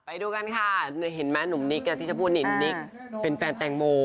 ไปดูกันค่ะเห็นไหมหนุ่มนิกที่จะพูดนี่นิกเป็นแฟนแตงโม